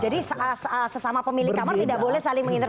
jadi sesama pemilik kamar tidak boleh saling mengintervensi